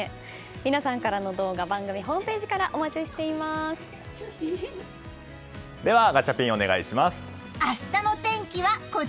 皆さんからの動画番組ホームページからではガチャピン、お願いします。